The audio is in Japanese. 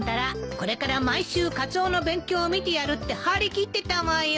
「これから毎週カツオの勉強を見てやる」って張り切ってたわよ。